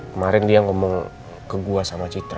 kemarin dia ngomong ke gue sama citra